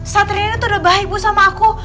satria ini tuh udah baik bu sama aku